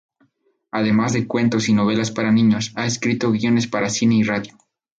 Además de cuentos y novelas para niños, ha escrito guiones para cine y radio.